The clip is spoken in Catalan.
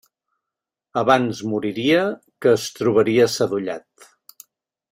Abans moriria que es trobaria sadollat.